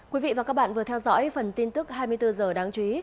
quý vị và các bạn vừa theo dõi phần tin tức hai mươi bốn h đáng chú ý